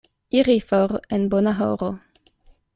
Iri for en bona horo.